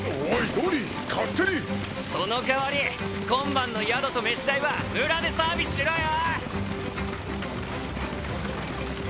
ドニー勝手にその代わり今晩の宿と飯代は村でサービスしろよ！